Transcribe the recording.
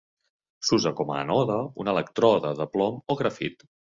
S'usa com a ànode un elèctrode de plom o grafit.